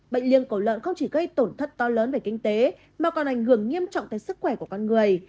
bệnh liên cổ lợn không chỉ gây tổn thất to lớn về kinh tế mà còn ảnh hưởng nghiêm trọng tới sức khỏe của con người